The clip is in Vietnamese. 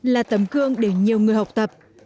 là tấm cương để nhiều người học tập